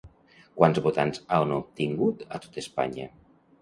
Quants votants han obtingut a tot Espanya?